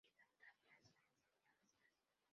Instantáneas de cineastas".